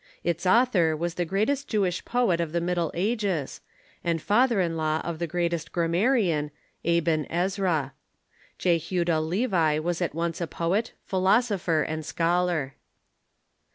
Its author was the greatest Jewish poet of the Middle Ages, and father in law of the greatest grammarian, Aben Ezra. Jehuda Levi was at once a poet, philosopher, and scholar.